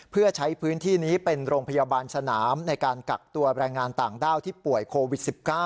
เพื่อใช้พื้นที่นี้เป็นโรงพยาบาลสนามในการกักตัวแรงงานต่างด้าวที่ป่วยโควิด๑๙